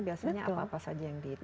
biasanya apa apa saja yang di